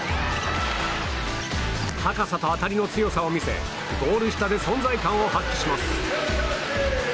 高さと当たりの強さを見せゴール下で存在感を発揮します。